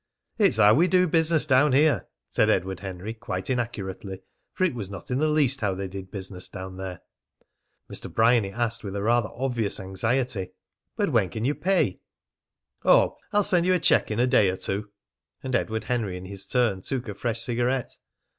"It's how we do business down here," said Edward Henry, quite inaccurately; for it was not in the least how they did business down there. Mr. Bryany asked, with a rather obvious anxiety: "But when can you pay? "Oh, I'll send you a cheque in a day or two." And Edward Henry in his turn took a fresh cigarette.